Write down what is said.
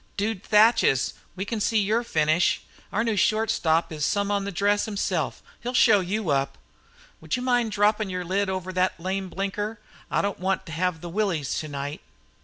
"Dude Thatches; we can see your finish. Our new short stop is some on the dress himself. He'll show you up!" "Would you mind droppin' your lid over thet lame blinker? I don't want to have the willies to night."